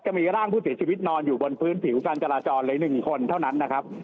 มีร่างผู้เสียชีวิตนอนอยู่บนพื้นผิวการจราจรเลย๑คนเท่านั้นนะครับ